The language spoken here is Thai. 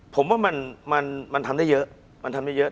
ผมว่ามันทำได้เยอะ